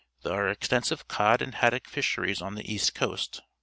There are extensive cod and haddock fisheries on the east coast.